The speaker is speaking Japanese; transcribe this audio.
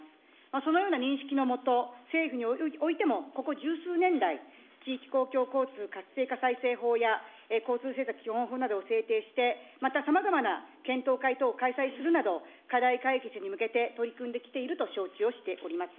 そのような認識のもと、政府においても、ここ十数年来、地域公共交通活性化再生法や交通政策基本法などを制定して、またさまざまな検討会等を開催するなど課題解決に向けて取り組んできていると承知をしております。